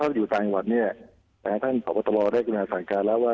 เพราะถ้าอยู่ในปลาคมท่านขอขอตรวจให้คุณธรรมศักดิ์การแล้ว